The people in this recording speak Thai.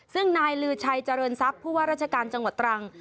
ซึ่งนายลือชัยเจริญทรัพย์ผู้ว่าราชการจังหวัดตรัง